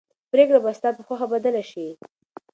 پرېکړه به ستا په خوښه بدله شي.